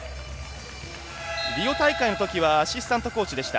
リオ大会のときはアシスタントコーチでした。